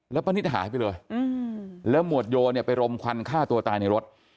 แล้วป้านิตหายไปเลยแล้วหมวดโยเนี่ยไปรมควันฆ่าตัวตายในรถ